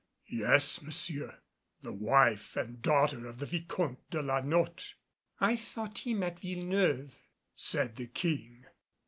"Yes, monsieur. The wife and daughter of the Vicomte de la Notte." "I thought him at Villeneuve," said the King.